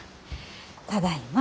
ただいま。